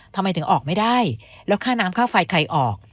ทำไมถึงออกไม่ได้แล้วค่าน้ำค่าไฟใครออก